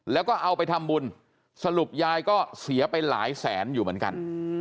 แล้วก็เอาไปทำบุญสรุปยายก็เสียไปหลายแสนอยู่เหมือนกัน